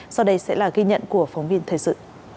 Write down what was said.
sau đây sẽ là ghi nhận của phóng viên thời sự